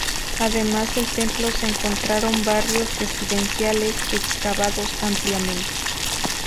Además del templo se encontraron barrios residenciales, excavados ampliamente.